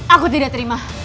aku tidak terima